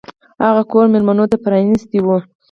هغه کور میلمنو ته پرانیستی و.